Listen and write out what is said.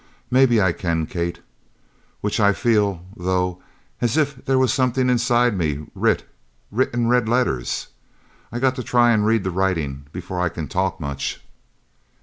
"Maybe I can, Kate. Which I feel, though, as if there was somethin' inside me writ writ in red letters I got to try to read the writin' before I can talk much."